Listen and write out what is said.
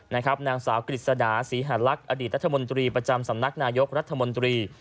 นางสาวกฤษดาศรีหาลักษณ์อดีตรัฐมนตรีประจำสำนักนายกรัฐมนตรี